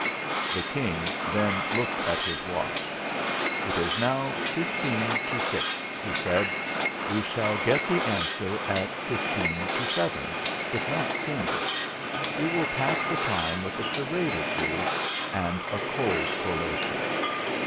The King then looked at his watch. "It is now fifteen to six," he said. "We shall get the answer at fifteen to seven, if not 320 THE FLINT HEART sooner. We will pass the time with a charade or two and a cold collation."